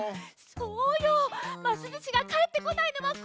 そうよますずしがかえってこないのはこまるわ！